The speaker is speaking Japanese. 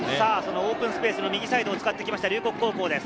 オープンスペースを使ってきた龍谷高校です。